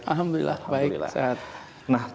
alhamdulillah baik sehat